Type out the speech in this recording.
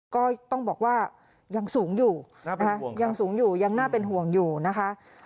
ก็ต้องบอกว่ายังสูงอยู่นะคะยังสูงอยู่ยังน่าเป็นห่วงอยู่นะคะ